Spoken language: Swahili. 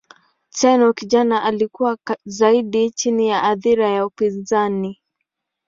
Tenno kijana alikuwa zaidi chini ya athira ya upinzani.